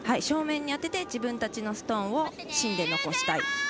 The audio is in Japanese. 正面に当てて自分たちのストーンを芯で残したい。